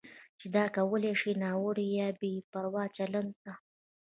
چې دا کولی شي ناوړه یا بې پروا چلند ته